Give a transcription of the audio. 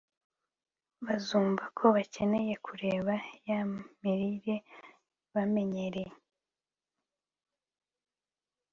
Bazumva ko bakeneye kureka ya mirire bamenyereye